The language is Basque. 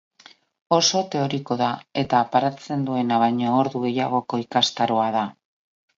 Oso teorikoa da eta paratzen duena baina ordu gehiagoko ikastaroa da.